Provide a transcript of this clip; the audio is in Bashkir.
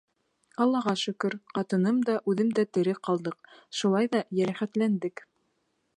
Аллаға шөкөр, ҡатыным да, үҙем дә тере ҡалдыҡ, шулай ҙа йәрәхәтләндек.